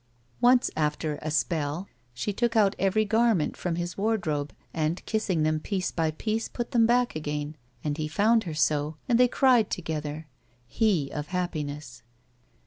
Once after a *'spell" she took out every garment from his wardrobe and, kissing them piece by piece, put them back again, and he found her so, and they cried together, he of happiness.